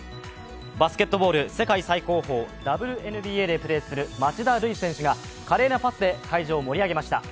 バスケットボール世界最高峰、ＷＮＢＡでプレーする町田瑠唯選手が華麗なパスで会場を盛り上げました。